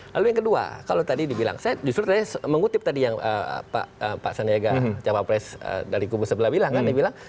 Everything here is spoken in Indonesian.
lalu yang kedua kalau tadi dibilang saya justru tadi mengutip tadi yang pak sanayega cak pa pres dari kubu sebelah bilang kan